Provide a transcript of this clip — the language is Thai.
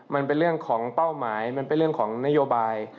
มันเป็นเรื่องของเป้าหมายมันเป็นเรื่องของนโยบาย